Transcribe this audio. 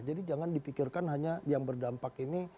jadi jangan dipikirkan hanya yang berdampak ini